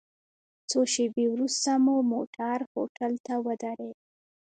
څو شېبې وروسته مو موټر هوټل ته ودرید.